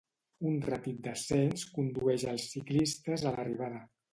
Un ràpid descens condueix els ciclistes a l'arribada.